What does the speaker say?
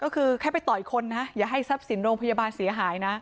ก็คือแค่ไปต่อยคนนะอย่าให้ทรัพย์สินโรงพยาบาลเสียหายนะ